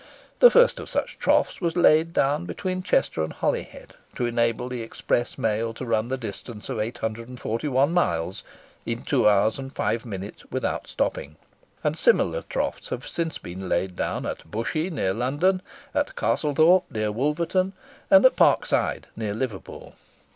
The first of such troughs was laid down between Chester and Holyhead, to enable the Express Mail to run the distance of 841 miles in two hours and five minutes without stopping; and similar troughs have since been laid down at Bushey near London, at Castlethorpe near Wolverton, and at Parkside near Liverpool.